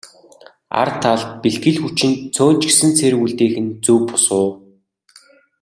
Ар талд бэлтгэл хүчинд цөөн ч гэсэн цэрэг үлдээх нь зөв бус уу?